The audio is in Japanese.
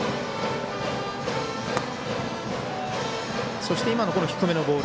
そして今の低めのボール